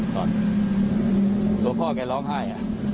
ตอนตัวพ่อแกร้องไห้